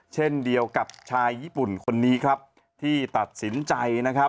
เช่นเดียวกับชายญี่ปุ่นคนนี้ครับที่ตัดสินใจนะครับ